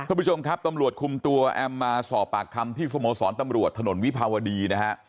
คุณผู้ชมครับตำรวจคุมตัวแอมมาสอบปากคำที่สโมสรตำรวจถนนวิภาวดีนะฮะ